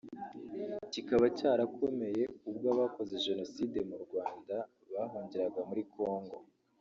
kikaba cyarakomeye ubwo abakoze Jenoside mu Rwanda bahungiraga muri Congo